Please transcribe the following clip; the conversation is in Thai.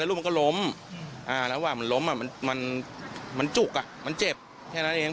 แล้วลูกมันก็ล้มแล้วว่ามันล้มมันจุกมันเจ็บแค่นั้นเอง